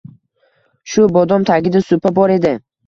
Shu bodom tagida supa bor edi.